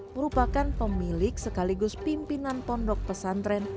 merupakan pemilik sekaligus pimpinan pondok pesantren